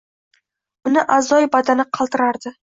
Uni a’zoi badani qaltirardi